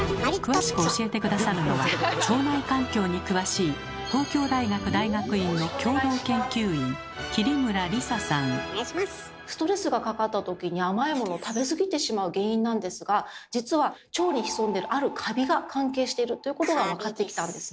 詳しく教えて下さるのは腸内環境に詳しいストレスがかかったときに甘いものを食べ過ぎてしまう原因なんですが実は腸に潜んでるあるカビが関係してるということが分かってきたんですね。